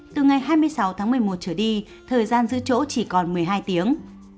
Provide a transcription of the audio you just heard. từ ngày hai mươi sáu tháng một mươi một trở đi thời gian giữ chỗ chỉ còn một mươi hai tiếng